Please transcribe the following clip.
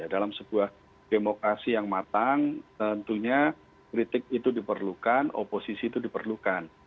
dalam sebuah demokrasi yang matang tentunya kritik itu diperlukan oposisi itu diperlukan